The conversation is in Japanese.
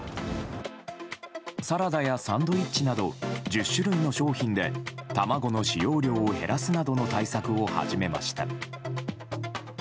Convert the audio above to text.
サラダやサンドイッチなど１０種類の商品で卵の使用量を減らすなどの対策を始めました。